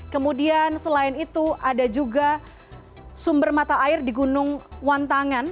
kemudian selain itu ada juga sumber mata air di gunung wantangan